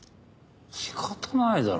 仕方ないだろ。